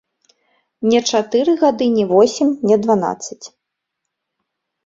Не чатыры гады, не восем, не дванаццаць.